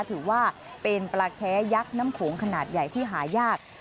ถือว่าเป็นปลาแค้ยักษ์น้ำโขงขนาดใหญ่ที่หายาก